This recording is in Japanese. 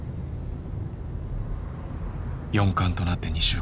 四冠となって２週間